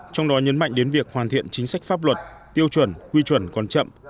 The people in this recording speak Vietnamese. trong đó nhấn mạnh đến việc hoàn thiện chính sách pháp luật tiêu chuẩn quy chuẩn còn chậm